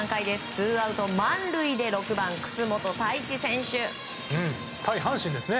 ツーアウト満塁で６番、楠本泰史選手。